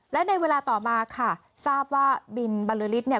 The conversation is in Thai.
และในเวลาต่อมาค่ะทราบว่าบินบรรลือฤทธิเนี่ย